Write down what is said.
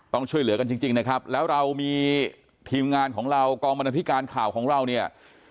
ต้องช่วยเหลือกันจริงนะครับแล้วเรามีทีมงานของเรากองบรรณาธิการข่าวของเราเนี่ย